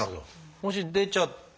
もし出ちゃったら。